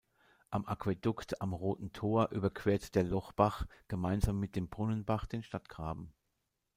Am Aquädukt am Roten Tor überquert der Lochbach gemeinsam mit dem Brunnenbach den Stadtgraben.